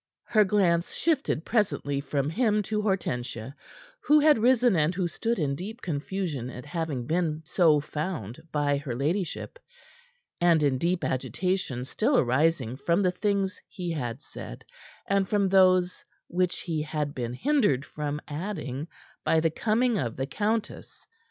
Her glance shifted presently from him to Hortensia, who had risen and who stood in deep confusion at having been so found by her ladyship, and in deep agitation still arising from the things he had said and from those which he had been hindered from adding by the coming of the countess.